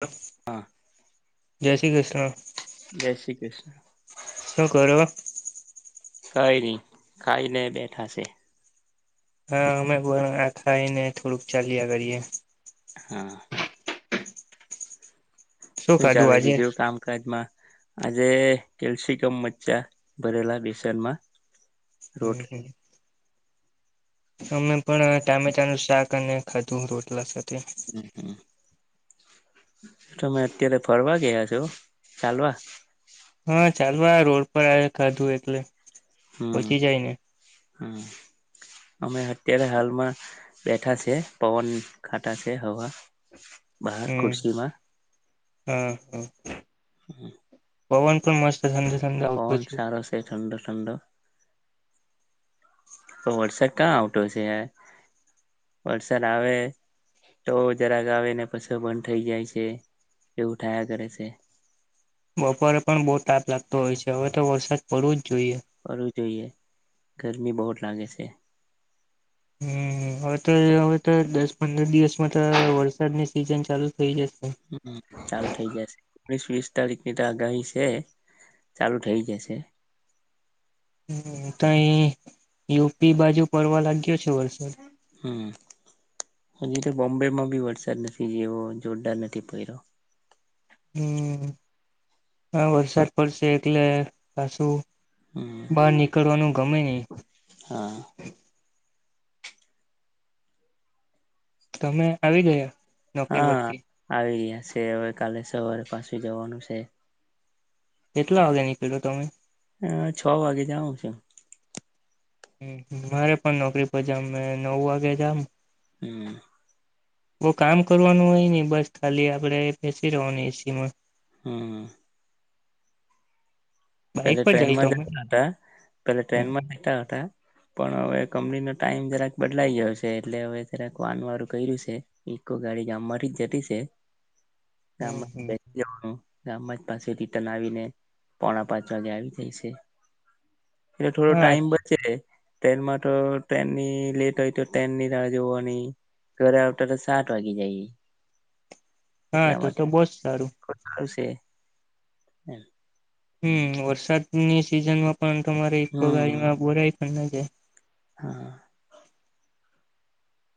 હા હા. જય શ્રી કૃષ્ણ. જય શ્રી કૃષ્ણ શું કરો? કઈ નહી, ખાઈને બેઠા છે. હા, અમે પણ આ ખાઈને થોડુંક ચાલ્યા કરીએ. હા. શું ખાધું ચાલે આજે બીજું કામકાજમાં. આજે કેપસિકમ મચ્ચા ભરેલા બેસનમાં. રોટલી હમમ અમે પણ આ ટામેટાનું શાક અને ખાધુ રોટલા સાથે. હમ હમ [unintelligible] [unintelligible] તમે અત્યારે ફરવા ગયા છો, ચાલવા? પણ ખાધું એટલે.. પછી જાય ને હમ્મ, અમે અત્યારે હાલમાં બેઠા છે પવન ખાતા છે હવા. બહાર હમ ખુરશીમાં, હા હા. હમ્મ. પવન પણ મસ્ત સાંજે સમજાવું પછી. છે ઠંડો ઠંડો. તો વરસાદ ક્યાં આવતો છે યાર. વરસાદ આવે તો જરાક આવેને પશુ બંધ થઈ જાય છે એવું થાયા કરે છે. બપોરે પણ બહુ તાપ લાગતો હોય છે હવે તો વરસાદ પડવું જ જોઈએ કરવું જોઈએ. ઘર મી બહુત લાગે છે. હમ્મ, હવે તો હવે તો દસ પંદર દિવસમાં તો વરસાદની સિઝન ચાલુ થઇ જ હમ્મ હમ્મ, ચાલુ થઇ જશે ઓગણીસ વીસ તારીખ ની તો આગાહી છે. ચાલુ થઇ જશે. હમ્મ, તઈ યુપી બાજુ પડવા લાગ્યો છે વરસાદ. હમ્મ, હજી તો બોમ્બે માં બી વરસાદ નથી જેવો જોરદાર નથી પડ્યો. હમ્મ, હવ વરસાદ પડશે એટલે પાસું હમ બહાર નીકળવાનું ગમે નહી. હા તમે આવી ગયા? નોકરી હા પરથી આવી રયા. છે. હવે કાલે સવારે પાછી જવાનું છે. કેટલા વાગે નીકળ્યો તમે? અ છ વાગે જાઉ છું. મારે પણ નોકરી પર જામ મે નવ વાગે જામ હમ્મ. બવ કામ કરવાનું હોય ની બસ ખાલી આપડે બેસી રવાની એસી માં. હમ્મ. બાઈક પેલે પર જાય તો ટ્રેનમાં અમે જતા હતા પેલે હમ ટ્રેનમાં નતા હતા પણ હવે કંપનીનો ટાઈમ જરાક બદલાઈ ગયો છે. એટલે હવે જરાક વાન વારું કર્યું છે ઈકો ગાડી માથી જ જતી છે. ગામમાં હમ બેઈ જવાનું. ગામમાં જ પાસે રિટર્ન આવીને પોણા પાંચ વાગે આવી જઈ છે. એટલે થોડો હા ટાઈમ બચે. ટ્રેનમાં તો ટ્રેનની લેટ હોય તો ટ્રેન ની રાહ જોવાની ઘરે આવતા તો સાત વાગી જાય. હા તો તો બહુ જ સારું. તે. હા. હમ્મ, વરસાદની સિઝનમાં પણ તમારે ઇકો હમ ગાડીમાં બોરાય પણ કે. [inaudible]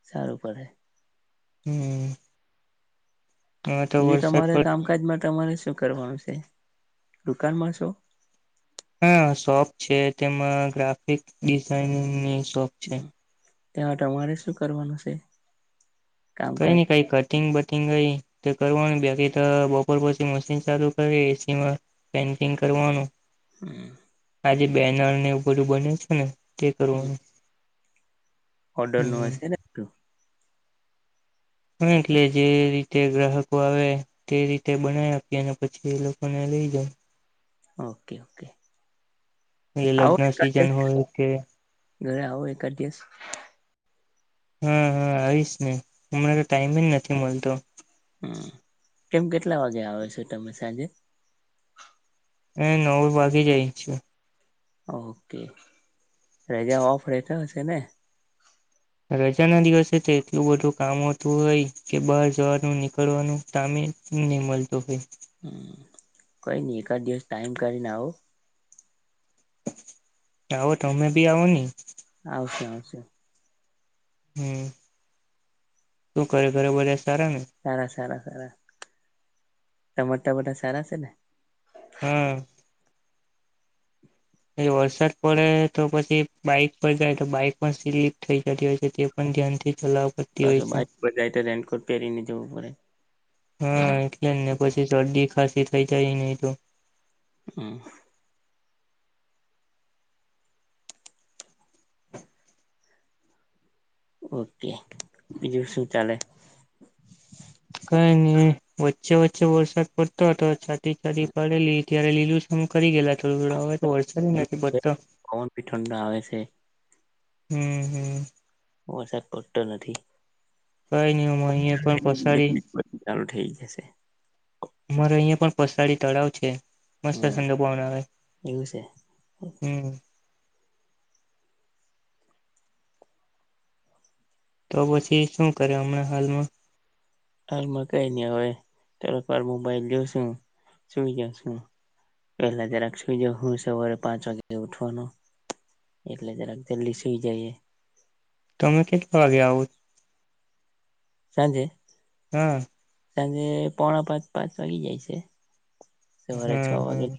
સારું પડે. હમ્મ. એ તમારે પડ કામકાજમાં તમારે શું કરવાનું છે દુકાનમાં શો હા શોપ છે તેમાં ગ્રાફિક ડિઝાઇનિંગ ની તો છે. તેમાં તમારે શું કરવાનું શે? કંઈ નહીં કંઈ કટિંગ બટિંગ હઈ તો કરવાનું બે બાકી તો બપોર પછી મશીન ચાલુ કરી એસીમાં પેન્ટિંગ કરવાનું. [inaudible] આજે બેનર ને એવું બધું બન્યું છે ને. તે કરવાનું. ઓર્ડરનું હમ હશે ને હમ્મ એટલે જે રીતે ગ્રાહકો આવે તે રીતે બનાવી આપી અને પછી એ લોકોને લઈ જાય. Okay okay. એ આવો લગ્ન એકાદ દિવસ સિઝન હોય કે ઘરે આવો એકાદ દિવસ. હમ્મ હમ્મ આવીશ ને હમણાં તો ટાઈમે નથી મલતો. હમ કેમ કેટલા વાગે આવે છો તમે સાંજે? હ નવેક વાગી જાય છે. ઓકે. રજા ઓફ રેતા હશે. તેને. રજાના દિવસે તે એટલું બધું કામ હોતું હોય કે બહાર જવાનું નીકળવાનું ટાઇમે ની મલતું હોય. હમ્મ કંઈ નહીં એકાદ દિવસ ટાઈમ કાઢીને આવો. આવો તમે ભી આવોને. આવશું આવશું. હમ્મ શું કરે ઘરે બધા? સારા ને સારા સારા સારા. તમારે ટા બધા સારા સે ને? હમ્મ. એ વરસાદ પડે તો પછી બાઈક પર જાય તો બાઈક પણ સ્લીપ થઈ જતી હોય છે તે પણ ધ્યાનથી ચલાવ પડતી હોય પાછું છે બાઇક પર જાય તો રેનકોટ પેરીને જવું પડે. હમ્મ એટલે ને પછી શરદી ખાંસી થઈ જાય નહીં તો. હમ્મ. ઓકે બીજું શું ચાલે? કંઈ નહીં વચ્ચે વચ્ચે વરસાદ પડતો હતો. તી ગાડી પાડેલી. ત્યારે લીલું છમ કરી ગયેલા થોડું થોડું હવે તો વરસાદ નથી પડતો પવન બી ઠંડા આવે છે. હમમ હમમ વરસાદ પડતો નથી. કઈ નહી અ અહી પણ પસાડી ચાલુ થઈ જશે મારે અહિયા પણ પસાડી તળાવ છે મસ્ત હમ ઠંડો પવન આવે એવું છે હમમ. તો પછી શું કરે હમણાં હાલમાં હાલમાં કઈ ની હવે થોડીક વાર મોબાઈલ જોશું સુઈ જશું પેલા જરાક સુઈ જાઉ. હું સવારે પાંચ વાગે ઉઠવાનો એટલે જરાક જલ્દી સુઈ જઈએ. તમે કેટલા વાગે આવો? સાંજે હમમ સાંજે પોણા પાંચ પાંચ વાગી જાય છે. સવારે છ હમમ વાગે હમમ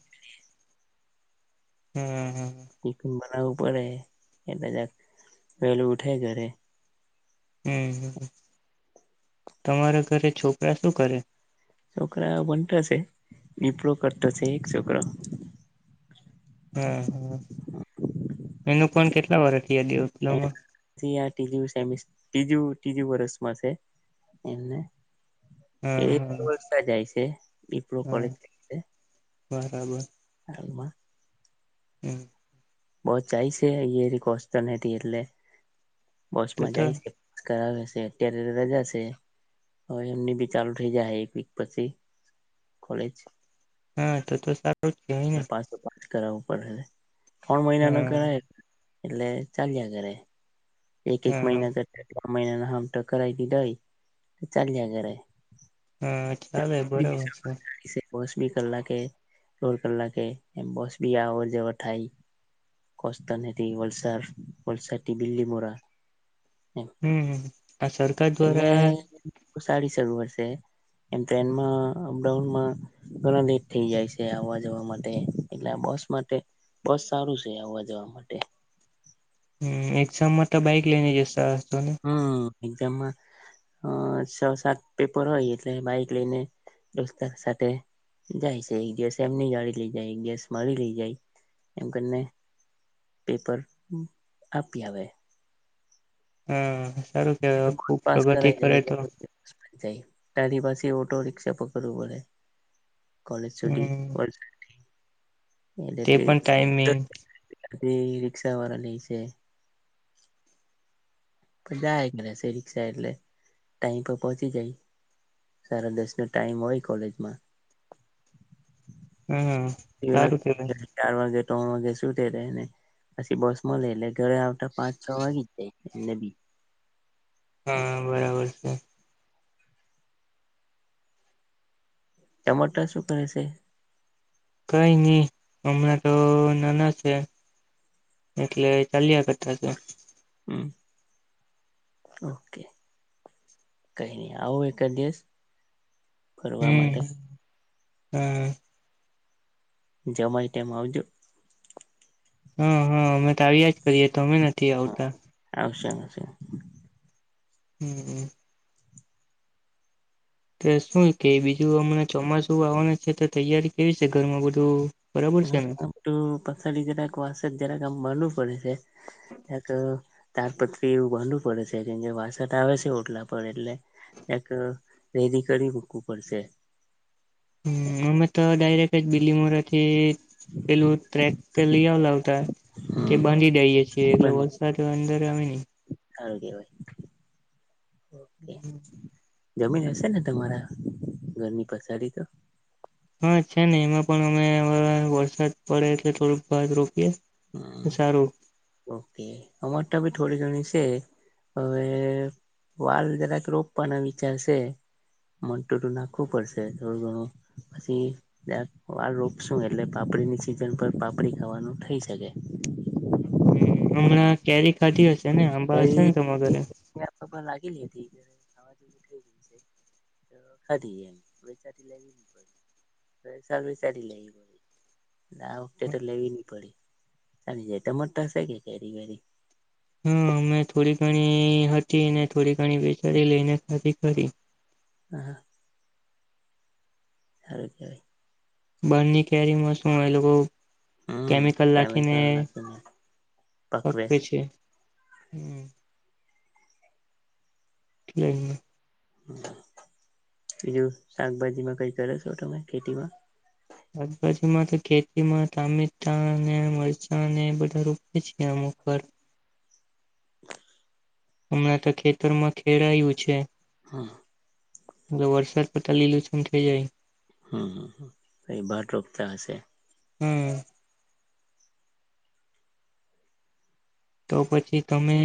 હમમ હમમ કોઈક જ વાર આવું પડે એટલે જરાક વેલું ઉઠે ઘરે હમમ તમારા ઘરે છોકરા શું કરે? છોકરા ભણતા છે ડીપલો કરતો છે એક છોકરો હમમ હમમ એને પણ કેટલા વરહ થયા ડિપ્લોમા આ થી આ ત્રીજું સેમ્સટ ત્રીજું ત્રીજું વર્ષમાં છે એમને એ હા હા દિવસ ના જાય છે ડિપ્લો હા કોલેજ કરીને બરાબર હાલ માં હમમ બો જાય છે અહિયા થી કોસ્ટલ એ થી એટલે બસ તો માં તો જાય છે [unintelligible] અત્યારે તો રજા છે હવે એમની ભી ચાલુ થઇ જાહશે એક વિક પછી કોલેજ હા તો તો સારું જ કેહેવાય ને એટલે પાછ પાસ કરાવવું પડહે ત્રણ મહિના ન હા કરાય એટલે ચાલયા કરે એક એક હા મહિના કરતા મહિનાના હામટા કરાવિ દેય તો ચાલ્યા કરે. હા ખ્યાલ એ બરોબર છે. બસ ભી કલાકે રોડ કલાકે એમ બસ ભી આવર જવર થાય કોસ્ટલ હે થી વલસાડ વલસાડથી બીલીમોરા હમમ હમમ આ સરકાર એમ દ્વારા એટલે સારી [unintelligible] એમ ટ્રેનમાં અપડાઉનમાં ઘણા લેટ થઇ જાય છે આવવા જવા માટે એટલે બસ માટે બો સારું છે આવવા જવા માટે હમ્મ એકઝામમા તો બાઈક લેને જસા - હા એક્ઝામમાં અ છ સાત પેપર હોય એટલે બાઈક લઈને દોસ્ત સાથે જાય છે એક દિવસ એમની ગાડી લઈ જાય એક દિવસ મળી લઈ જાય એમ કરીને પેપર આપી આવે હમ્મ સારું કેવા ખુબ પાસ પ્રગતિ કરાવી દે કરે તો એટલે જાય તારી પાસે ઓટો રિકષા પકડવું પડે કોલેજ છુટી હમ એટલે તે પણ તે ટાઈમિંગ થી રિક્ષા વાળા લઈ જય જાયા કરે છે રિક્ષા એટલે ટાઈમ પર પહોંચી જાય. સારા દસ નો ટાઈમ હોય કોલેજમા હમ્મ સારું કહેવાય ચાર વાગે ત્રણ વાગ્યે છૂટે ત એને પછી બસમા લઈલે - ઘરે આવતા પાંચ છ વાગી જ જાય. મે બી હા બરાબર છે. તમારા તા શું કરે છે? કઈ નહી હમણાં તો નાના છે. એટલે ચાલ્યા કરતા છે. હમ્મ ઓકે કઈ નહી આવો એકાદ દિવસ. ફરવા માટે. હાં જમાઈ તેમ આવજો. હા હા અમે તો આવ્યા જ કરીએ. તો અમે નથી આવતા. આવશું આવશું હમ્મ હમ્મ તો શું કે બીજું હમણાં ચોમાસું આવવાનું છે તો તૈયારી કેવી છે ઘરમાં બધું. બરાબર છે ને હું પસાડી જરાક વાસટ જરાક માનવ પડે છે. કે તાડપત્રી એવુ બાંધુ છું પડે છે કે વાસટ આવે છે ઓટલા પર એટલે કાક રેલી કરી મૂકવું પડશે. હમ્મ અમે તો ડાયરેક જ બીલીમોરા થી પેલું ટ્રેક તે લઈ આવેલા ઉતા તે હમ બાંધી દઈએ. છે એટલે બની વરસાદ અંદર [unintelligible] સારું કેવાય. ઓકે હમ્મ. જમીન હશે ને તમારા ઘરની પછાડી તો હા છે ને એમાં પણ અમે વરસાદ પડે એટલે થોડુંક ભાત રોપીએ. હમ સારું. ઓકે અમાર તો ભી થોડી ઘણી છે હવે વાળ જરાક રોપવાના વિચાર છે હમ હમણાં કેરી ખાધી હશે? અને આંબા હશે કેરી ને તમારા ઘરે! મારા [unintelligible] આ વખતે તો લેવી નઈ પડી. ચાલી જાય તમારી ત્યાં થઈ કે કેરી હા અમે થોડી ઘણી હતી થોડી ઘણી વેચાતી લઈને ખાધી ખરી. હા હા. સારુ કેવાયે. બારની કેરી મસ્ત મળે હમ કેમિકલ નાખીને નાખીને પકવે પકવેશ છે. હમ્મ. [inaudible] બીજું શાકભાજીમાં કઈ કરો છો તમે ખેતીમાં. આજુભાજુમાં તો ખેતીમાં ટમેટા અને મરચાને એ બધા રોપ છે અમુક વાર હમણાં તો ખેતરમાં ખેરાયું છે. હા. જો વરસાદ પડતા લીલું છમ થઇ જાય. હમ હમ હ ભ બાર રોપતા હશે. હમ્મ. તો પછી તમે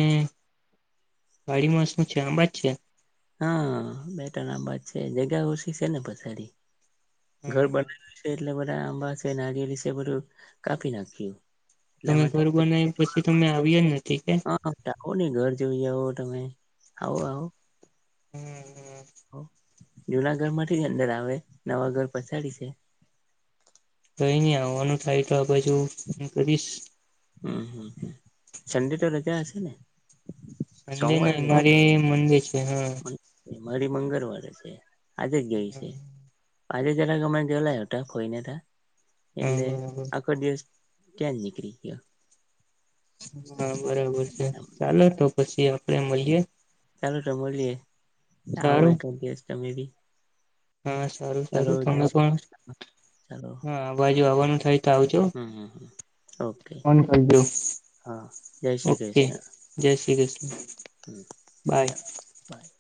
વાડીમાં શું છે આંબાજ છે. હા બેટા ના આ વાત છે જગ્યા ઓછી છે ને પછારી. ઘર હા બનાવે છે એટલે બ આંબા છે નાારિયલ છે એ બધું કાપી નાખીઓ. એટલા તમે માટે ઘર બનાવ્યું પછી તમે આવ્યા જ નથી કે હ [unintelligible] આવો નને ઘર જોઈ આવો તમે આવો આવો. હમ્મ. [inaudible] જુનાગઢ માંથી જ અંદર આવે નવા ઘર પછાડી છે. કઈ ન આવવાનું થાય તો આ બાજુ હ કરીશ. હમ્મ હમ્મ સન્ડે તો રજા હશે ને. સંડે સોમવારે નહી રજા મારે મંડે છે. હા. મારી મંગળવારે છે. આજે ગય છે. આજે જરા અમે ગેલા હતા હોઈની ત્યાં હા એટલે બરાબર આખો દિવસ ક્યાં નિકરી ગિયા હા બરાબર છે ચાલો તો પછી આપ પે મળીયે ચાલો તો મલીયે આવું સારું એખાધ દિવસ તમે બી હા સારું ચાલો સારું જય તમે શ્રી પણ કૃષ્ણ. ચાલો હા અવા આવાનું થાય તો આવજો હમ હમ ઓકે ફોન કરજો હા જય શ્રી ઓકે કૃષ્ણ જય શ્રી કૃષ્ણ [inaudible] હમ બાય બાય